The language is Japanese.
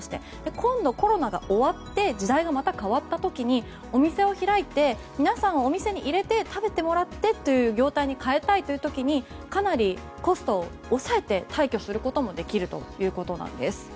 今度、コロナが終わって時代がまた変わった時にお店を開いて、皆さんお店に入れて食べてもらってという業態に変えたいときにかなりコストを抑えて退去することもできるということです。